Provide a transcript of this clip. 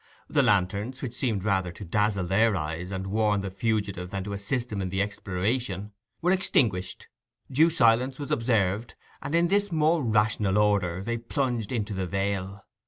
The lanterns, which seemed rather to dazzle their eyes and warn the fugitive than to assist them in the exploration, were extinguished, due silence was observed; and in this more rational order they plunged into the vale.